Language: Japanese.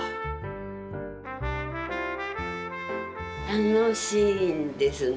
楽しいんですね。